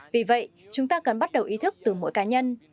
vì vậy chúng ta cần bắt đầu ý thức từ mỗi cá nhân